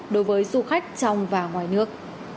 đối với du khách trong và ngoài nước